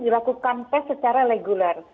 melakukan tes secara reguler